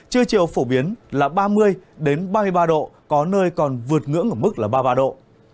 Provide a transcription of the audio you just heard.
trưa chiều phổ biến là ba mươi ba mươi ba độ có nơi còn vượt ngưỡng ở mức là ba mươi ba độ